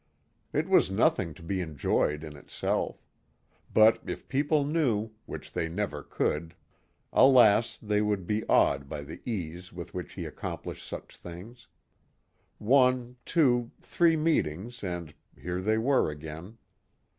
It was nothing to be enjoyed in itself. But if people knew, which they never could, alas, they would be awed by the ease with which he accomplished such things. One, two, three meetings and here they were again.